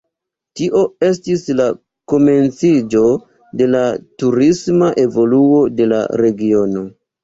Tio estis la komenciĝo de la turisma evoluo de la regiono.